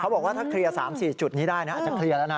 บอกว่าถ้าเคลียร์๓๔จุดนี้ได้นะอาจจะเคลียร์แล้วนะ